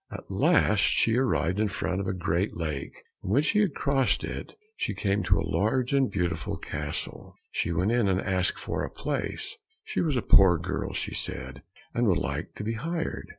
At last she arrived in front of a great lake, and when she had crossed it, she came to a large and beautiful castle. She went and asked for a place; she was a poor girl, she said, and would like to be hired.